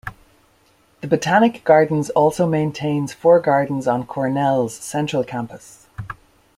The Botanic Gardens also maintains four gardens on Cornell's central campus.